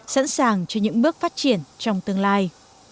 sẵn sàng cho những bước phát triển trong tương lai